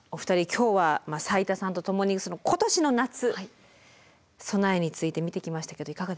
今日は斉田さんと共に今年の夏備えについて見てきましたけどいかがでしたか？